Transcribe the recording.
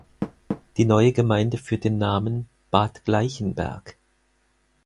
Die neue Gemeinde führt den Namen „Bad Gleichenberg“.